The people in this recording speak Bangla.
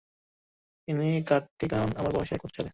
ইনি কার্তিকেয়ন, আমার বসের একমাত্র ছেলে।